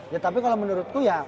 ya tapi kalau menurutku ya